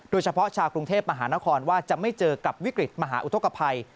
โดยเฉพาะชาวกรุงเทพมหานครว่าจะไม่เจอกับวิกฤตมหาอุทธกภัย